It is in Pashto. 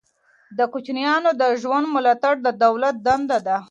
د کوچیانو د ژوند ملاتړ د دولت دنده ده.